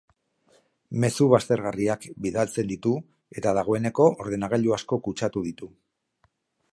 Mezu baztergarriak bidaltzen ditu eta dagoeneko ordenagailu asko kutsatu ditu.